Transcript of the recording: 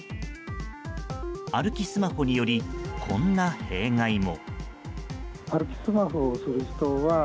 歩きスマホによりこんな弊害も。